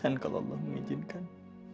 dan kalau allah mengijinkan